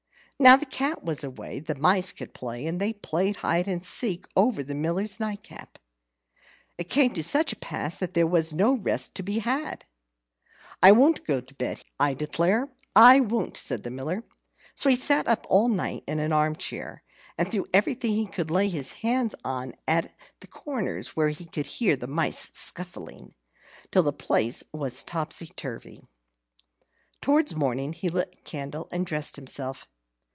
Now the cat was away, the mice could play; and they played hide and seek over the Miller's nightcap. It came to such a pass that there was no rest to be had. "I won't go to bed, I declare I won't," said the Miller. So he sat up all night in an arm chair, and threw everything he could lay his hands on at the corners where he heard the mice scuffling, till the place was topsy turvy. Towards morning he lit a candle and dressed himself.